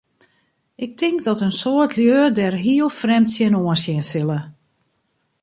Ik tink dat in soad lju dêr heel frjemd tsjinoan sjen sille.